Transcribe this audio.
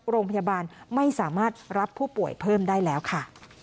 โรงพยาบาลไม่สามารถรับผู้ป่วยเพิ่มได้แล้วค่ะ